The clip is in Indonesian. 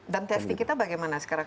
dan testing kita bagaimana sekarang